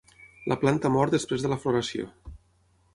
La planta mor després de la floració.